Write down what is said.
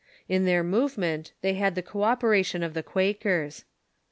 In their movement they had the co opera tion of the Quakers.